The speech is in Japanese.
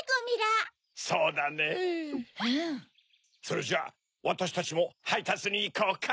それじゃわたしたちもはいたつにいこうか！